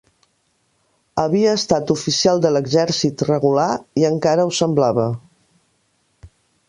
Havia estat oficial de l'Exèrcit Regular, i encara ho semblava